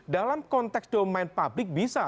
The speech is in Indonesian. dalam konteks domain publik bisa